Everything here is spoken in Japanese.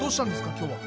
今日は。